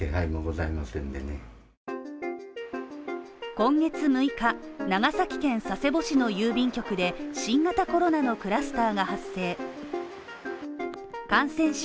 今月６日長崎県佐世保市の郵便局で新型コロナのクラスターが発生感染者